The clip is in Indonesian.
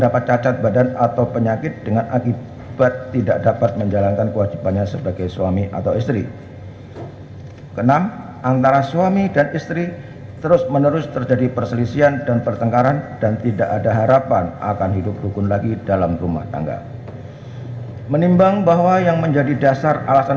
pertama penggugat akan menerjakan waktu yang cukup untuk menerjakan si anak anak tersebut yang telah menjadi ilustrasi